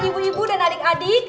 ibu ibu dan adik adik